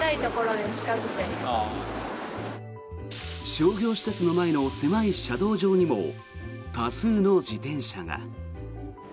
商業施設の前の狭い車道上にも多数の自転車が。